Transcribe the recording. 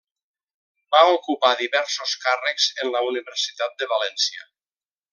Va ocupar diversos càrrecs en la Universitat de València.